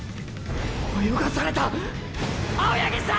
泳がされた青八木さん！